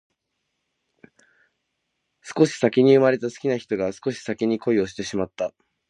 少し先に生まれた好きな人が少し先に恋をしてしまった